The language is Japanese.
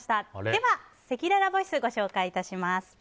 では、せきららボイスをご紹介します。